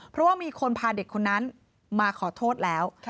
เพราะว่ามีคนพาเด็กคนนั้นมาขอโทษแล้ว